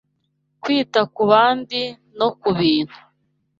kwita ku bandi no ku bintu